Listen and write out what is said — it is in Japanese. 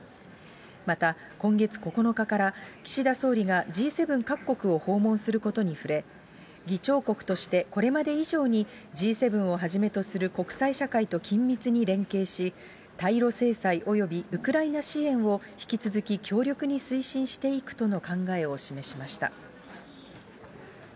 また今月９日から、岸田総理がＧ７各国を訪問することに触れ、議長国としてこれまで以上にＧ７をはじめとする国際社会と緊密に連携し、対ロ制裁およびウクライナ支援を引き続き強力に推進していくとの考えを示しました。